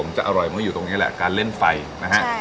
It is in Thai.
ผมจะอร่อยเมื่ออยู่ตรงนี้แหละการเล่นไฟนะฮะ